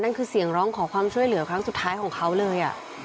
คือเสียงร้องขอความช่วยเหลือครั้งสุดท้ายของเขาเลย